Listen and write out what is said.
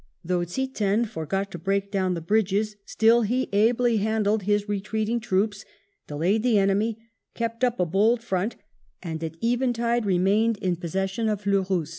Though Ziethen forgot to break down the bridges, still he ably handled his retreating troops, delayed the enemy, kept up a bold front, and at eventide remained in possession of Fleurus.